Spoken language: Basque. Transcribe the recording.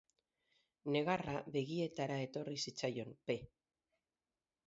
Negarra begietara etorri zitzaion P.